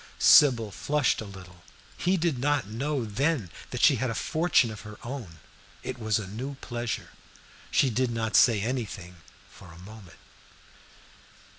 Sybil flushed a little. He did not know, then, that she had a fortune of her own. It was a new pleasure. She did not say anything for a moment.